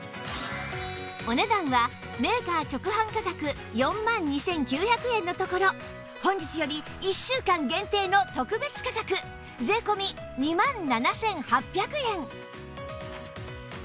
お値段はメーカー直販価格４万２９００円のところ本日より１週間限定の特別価格税込２万７８００円